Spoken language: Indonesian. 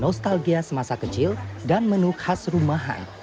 nostalgia semasa kecil dan menu khas rumahai